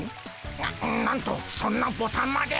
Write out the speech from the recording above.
ななんとそんなボタンまで。